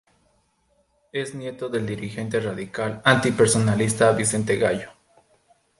Es nieto del dirigente Radical Antipersonalista Vicente Gallo.